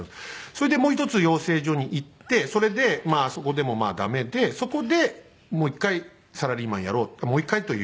それでもう１つ養成所に行ってそれでそこでもまあダメでそこでもう１回サラリーマンやろうともう１回というか。